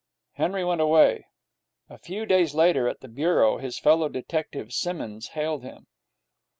Henry went away. A few days later, at the Bureau, his fellow detective Simmonds hailed him.